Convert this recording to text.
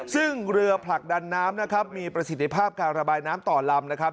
ซึ่งเรือผลักดันน้ำนะครับมีประสิทธิภาพการระบายน้ำต่อลำนะครับ